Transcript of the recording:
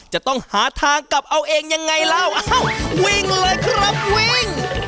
จะต้องหาทางกลับเอาเองยังไงแล้วอ้าววิ่งเลยครับวิ่ง